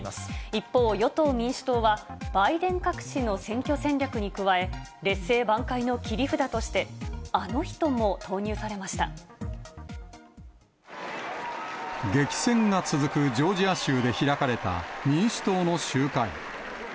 一方、与党・民主党は、バイデン隠しの選挙戦略に加え、劣勢挽回の切り札として、あの人激戦が続くジョージア州で開かれた、民主党の集会。